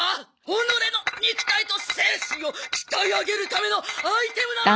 己の肉体と精神を鍛え上げるためのアイテムなのよ。